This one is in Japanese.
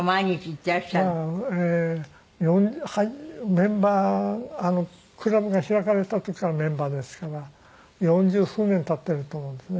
メンバークラブが開かれた時からのメンバーですから四十数年経ってると思うんですね。